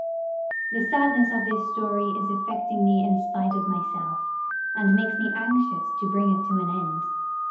The sadness of this story is affecting me in spite of myself, and makes me anxious to bring it to an end.